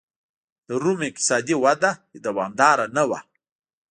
د روم اقتصادي وده دوامداره نه وه